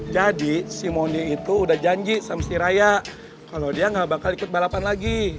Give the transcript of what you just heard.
jadi si mondi itu udah janji sama si raya kalo dia gak bakal ikut balapan lagi